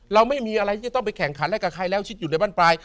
เราไม่มีอะไรที่จะต้องไปแข่งขันอะไรกับใครแล้วชิดอยู่ในบ้านปลาย